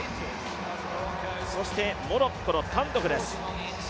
そして、モロッコのタンドフです。